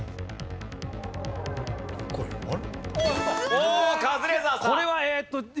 おおカズレーザーさん。